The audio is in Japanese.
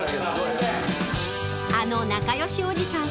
［あの仲良しおじさん